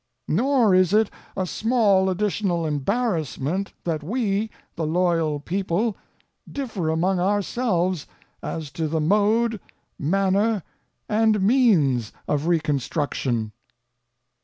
Nor is it a small additional embarrassment that we, the loyal people, differ among ourselves as to the mode, manner, and means of reconstruction.